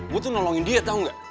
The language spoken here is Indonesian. gua tuh nolongin dia tau gak